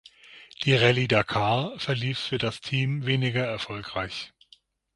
Die Rallye Dakar verlief für das Team weniger erfolgreich.